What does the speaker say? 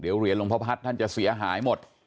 เดี๋ยวเหรียญหลวงพ่อพัฒน์ท่านจะเสียหายหมด